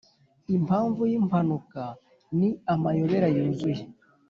impamvu yimpanuka ni amayobera yuzuye.